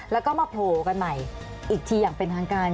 แล้วก็มาโผล่กันใหม่อีกทีอย่างเป็นทางการ